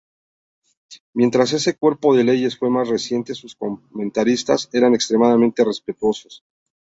Mientras ese cuerpo de leyes fue más reciente, sus comentaristas eran extremadamente respetuosos.